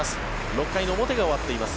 ６回の表が終わっています。